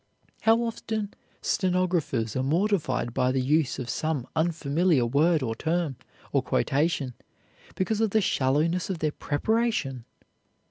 How often stenographers are mortified by the use of some unfamiliar word or term, or quotation, because of the shallowness of their preparation!